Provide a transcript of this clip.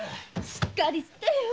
しっかりしてよ。